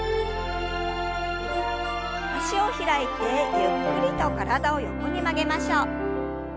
脚を開いてゆっくりと体を横に曲げましょう。